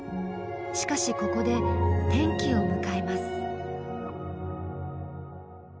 しかしここで転機を迎えます。